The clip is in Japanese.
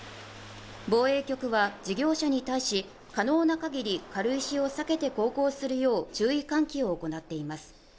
防衛局は事業者に対し可能な限り軽石を避けて航行するよう注意喚起を行っています